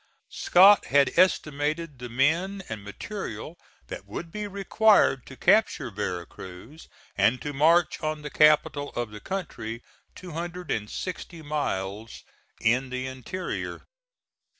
Scott had estimated the men and material that would be required to capture Vera Cruz and to march on the capital of the country, two hundred and sixty miles in the interior.